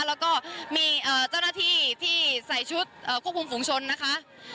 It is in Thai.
แล้วก็มีเจ้าหน้าที่ที่ใส่ชุดควบคุมฝุงชนนะคะ